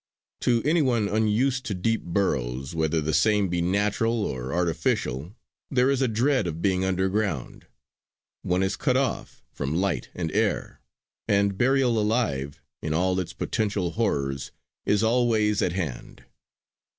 To any one unused to deep burrows, whether the same be natural or artificial, there is a dread of being underground. One is cut off from light and air; and burial alive in all its potential horrors is always at hand.